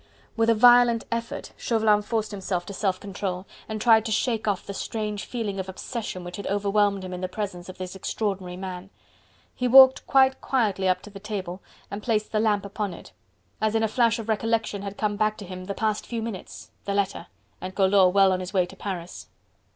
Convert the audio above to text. With a violent effort Chauvelin forced himself to self control, and tried to shake off the strange feeling of obsession which had overwhelmed him in the presence of this extraordinary man. He walked quite quietly up to the table and placed the lamp upon it. As in a flash recollection had come back to him.. the past few minutes!... the letter! and Collot well on his way to Paris!